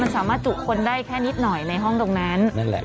มันสามารถจุคนได้แค่นิดหน่อยในห้องตรงนั้นนั่นแหละ